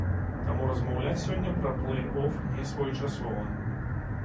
Таму размаўляць сёння пра плэй-оф несвоечасова.